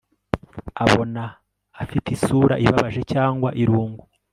Abona afite isura ibabaje cyangwa irungu